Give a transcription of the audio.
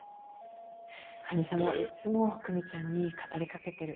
神様はいっつも久美ちゃんに語りかけてる。